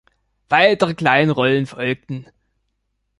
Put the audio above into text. Weitere kleinere Rollen folgten.